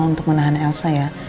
untuk menahan elsa ya